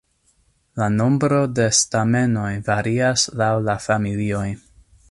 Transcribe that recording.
La nombro de stamenoj varias laŭ la familioj.